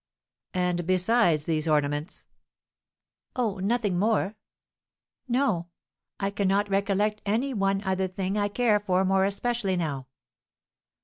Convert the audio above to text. "And besides these ornaments?" "Oh, nothing more; no, I cannot recollect any one other thing I care for more especially now."